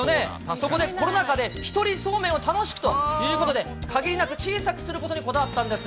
そこでコロナ禍で１人そうめんを楽しくということで、限りなく小さくすることにこだわったんです。